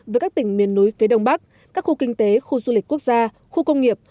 với các tỉnh miền núi phía đông bắc các khu kinh tế khu du lịch quốc gia khu công nghiệp